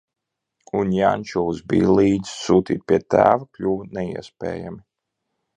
Un Jančulis bija līdz, sūtīt pie tēva kļuva neiespējami.